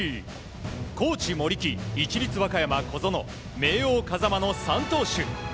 高知、森木市立和歌山、小園明桜、風間の３投手。